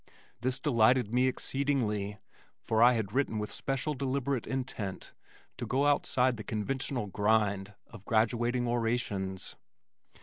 This delighted me exceedingly, for I had written with special deliberate intent to go outside the conventional grind of graduating orations.